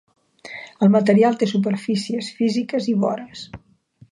El material té superfícies físiques i vores.